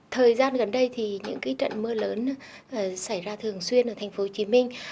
thời gian gần đây thì những trận mưa lớn xảy ra thường xuyên ở thành phố hồ chí minh